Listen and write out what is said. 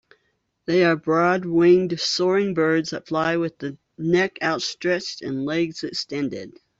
They are broad-winged soaring birds that fly with the neck outstretched and legs extended.